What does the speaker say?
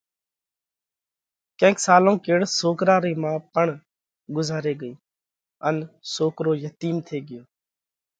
ڪينڪ سالون ڪيڙ سوڪرا رئِي مان پڻ ڳُزاري ڳئِي ان سوڪرو يتِيم ٿي ڳيو۔